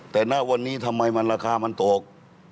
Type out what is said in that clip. แต่ณวันนี้ทำไมมันราคามันตก